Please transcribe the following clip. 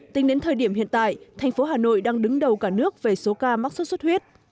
tính đến thời điểm hiện tại thành phố hà nội đang đứng đầu cả nước về số ca mắc xuất xuất huyết